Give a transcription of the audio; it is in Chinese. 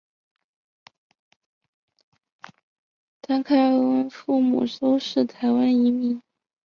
谭凯文父母都是台湾移民。